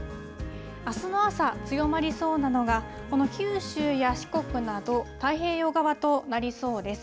あすの朝、強まりそうなのが、この九州や四国など、太平洋側となりそうです。